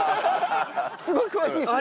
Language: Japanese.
すごい詳しいですね。